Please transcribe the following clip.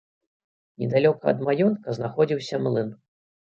Недалёка ад маёнтка знаходзіўся млын.